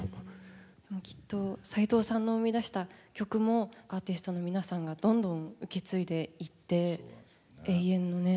きっと斉藤さんの生み出した曲もアーティストの皆さんがどんどん受け継いでいって永遠のね